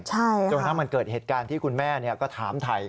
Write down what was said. จนถ้ามันเกิดเหตุการณ์ที่คุณแม่ก็ถามไทย